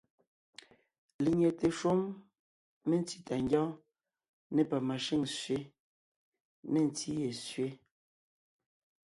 Lenyɛte shúm mentí tà ngyɔ́ɔn, nê pamashʉ́ŋ sẅé, nê ntí ye sẅé,